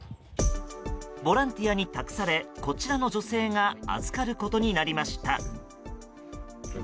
ボランティアに託されこちらの女性が預かることになりました。